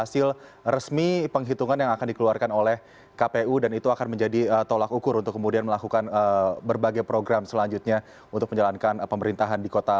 terima kasih pak teguh